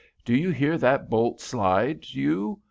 "Do you hear that bolt slide, you?"